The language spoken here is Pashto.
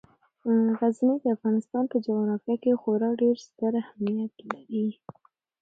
غزني د افغانستان په جغرافیه کې خورا ډیر ستر اهمیت لري.